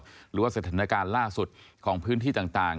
หรือว่าสถานการณ์ล่าสุดของพื้นที่ต่าง